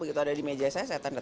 begitu ada di meja saya saya tanda